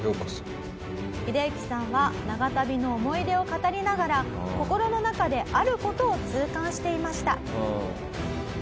ヒデユキさんは長旅の思い出を語りながら心の中である事を痛感していました。